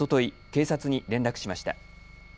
警察に連絡しました。